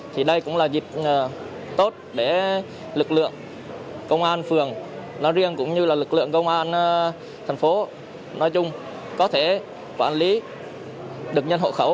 thì đây cũng là dịp tốt để lực lượng công an phường nói riêng cũng như là lực lượng công an thành phố nói chung có thể quản lý được nhân hộ khẩu